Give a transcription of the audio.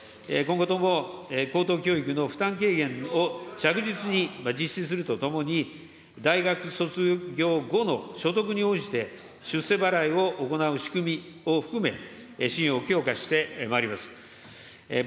今後とも高等教育の負担軽減を着実に実施するとともに、大学卒業後の所得に応じて、出世払いを行う仕組みを含め、支援を強化してまいります。